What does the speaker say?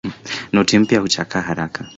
Noti mpya huchakaa haraka